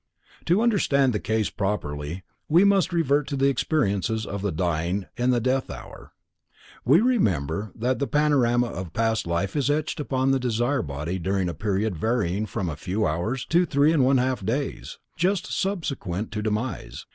To understand the case properly we must revert to the experiences of the dying in the death hour. We remember that the panorama of the past life is etched upon the desire body during a period varying from a few hours to three and one half days, just subsequent to demise.